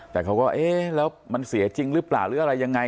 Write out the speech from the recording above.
แต่เขาก็เอ๊ะแล้วมันเสียจริงหรือเปล่าหรืออะไรยังไง